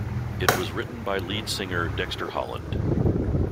It was written by lead singer Dexter Holland.